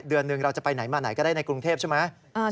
เดือนหนึ่งเราจะไปไหนมาไหนก็ได้ในกรุงเทพใช่ไหม